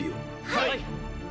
はい！！